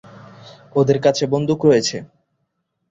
ওদের কাছে বন্দুক রয়েছে।